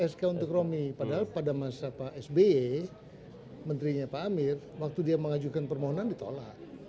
sk untuk romi padahal pada masa pak sby menterinya pak amir waktu dia mengajukan permohonan ditolak